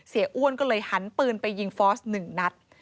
เสียอ้วนก็เลยหันปืนไปยิงฟอร์ส๑นัด